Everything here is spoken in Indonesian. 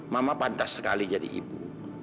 mama pantas sekali jadi ibu